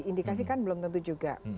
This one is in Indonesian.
indikasi kan belum tentu juga